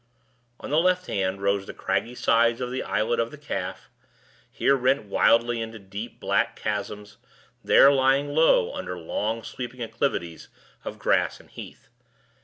On the left hand rose the craggy sides of the Islet of the Calf, here rent wildly into deep black chasms, there lying low under long sweeping acclivities of grass and heath.